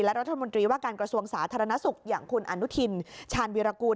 รัฐมนตรีว่าการกระทรวงสาธารณสุขอย่างคุณอนุทินชาญวีรกูล